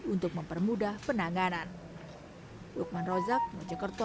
untuk mempermudah penanganan